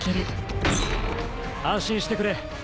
安心してくれ。